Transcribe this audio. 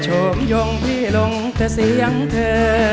โฉมยงพี่ลงแต่เสียงเธอ